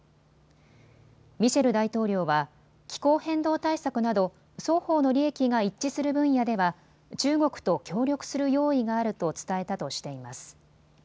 ミシェル大統領は気候変動対策など双方の利益が一致する分野では中国と協力する用意があると伝えたとしています。